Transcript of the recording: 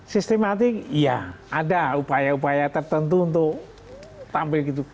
sistematik ya ada upaya upaya tertentu untuk tampil gitu